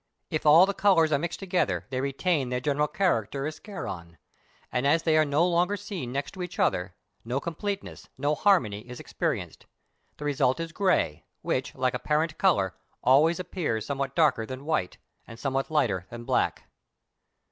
If all the colours are mixed together they retain their general character as σκιερόν, and as they are no longer seen next each other, no completeness, no harmony, is experienced; the result is grey, which, like apparent colour, always appears somewhat darker than white, and somewhat lighter than black.